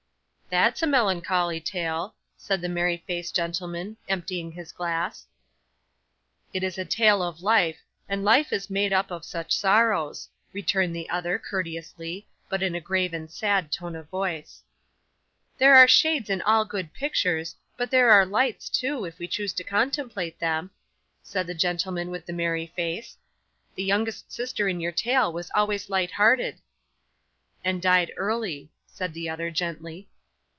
'That's a melancholy tale,' said the merry faced gentleman, emptying his glass. 'It is a tale of life, and life is made up of such sorrows,' returned the other, courteously, but in a grave and sad tone of voice. 'There are shades in all good pictures, but there are lights too, if we choose to contemplate them,' said the gentleman with the merry face. 'The youngest sister in your tale was always light hearted.' 'And died early,' said the other, gently.